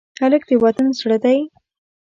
هلک د وطن زړه دی.